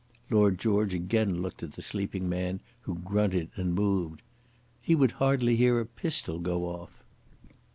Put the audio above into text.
Lord George again looked at the sleeping man, who grunted and moved, "He would hardly hear a pistol go off."